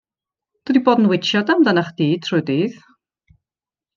Dw i 'di bod yn witsiad amdanach chdi trwy dydd.